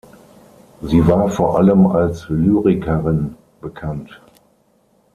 Sie war vor allem als Lyrikerin bekannt.